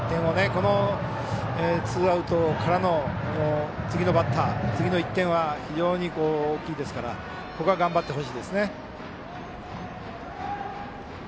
このツーアウトからの次のバッター、次の１点は非常に大きいですからここは頑張ってほしいですね。